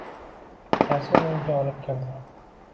Akasi uni uyga olib kirdi